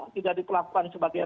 tidak diperlakukan sebagainya